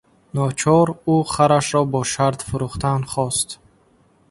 Ночор ӯ харашро бо шарт фурӯхтан хост.